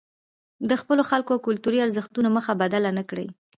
د خپلو خلکو او کلتوري ارزښتونو مخه بدله نکړي.